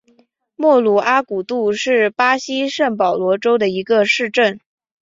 莫鲁阿古杜是巴西圣保罗州的一个市镇。